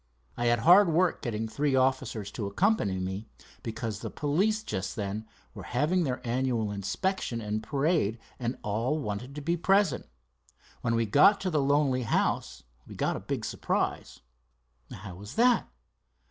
I had hard work getting three officers to accompany me, because the police just then were having their annual inspection and parade and all wanted to be present. When we got to the lonely house we got a big surprise." "How was that?"